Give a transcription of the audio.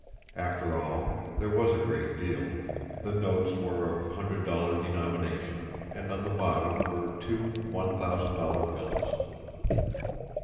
After all, there was a great deal the notes were of hundred dollar denomination, and on the bottom were two one thousand dollar bills!